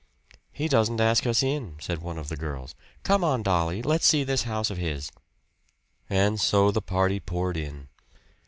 "He doesn't ask us in," said one of the girls. "Come on, Dolly let's see this house of his." And so the party poured in.